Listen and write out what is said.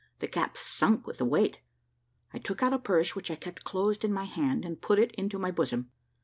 The cap sunk with the weight. I took out a purse, which I kept closed in my hand, and put it into my bosom.